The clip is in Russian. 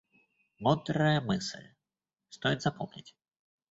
Мудрая мысль, стоит запомнить.